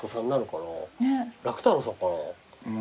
楽太郎さんかな？